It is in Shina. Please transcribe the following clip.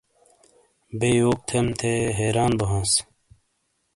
بے یوک تھم تھے حیران بو ہاس۔